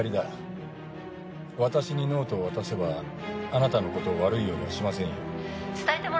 私にノートを渡せばあなたのことを悪いようにはしませんよ。